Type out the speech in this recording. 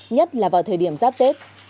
nhất là vào thời điểm giáp tết